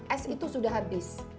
es itu sudah habis